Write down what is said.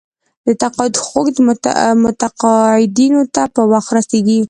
د تقاعد حقوق متقاعدینو ته په وخت رسیږي.